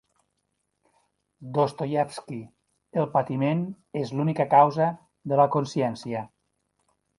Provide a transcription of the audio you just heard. Dostoievski: el patiment és l'única causa de la consciència.